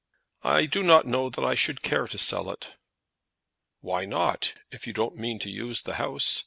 "I do not know that I should care to sell it." "Why not, if you don't mean to use the house?